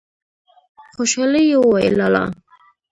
خوشالی يې وويل: لا لا!